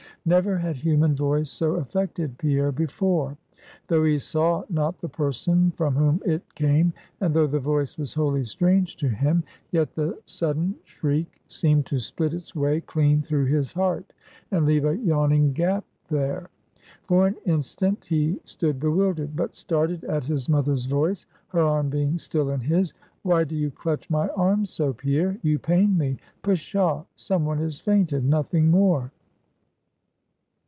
Never had human voice so affected Pierre before. Though he saw not the person from whom it came, and though the voice was wholly strange to him, yet the sudden shriek seemed to split its way clean through his heart, and leave a yawning gap there. For an instant, he stood bewildered; but started at his mother's voice; her arm being still in his. "Why do you clutch my arm so, Pierre? You pain me. Pshaw! some one has fainted, nothing more."